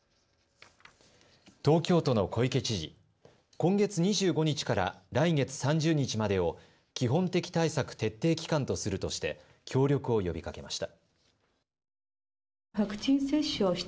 今月２５日から来月３０日までを基本的対策徹底期間とするとして協力を呼びかけました。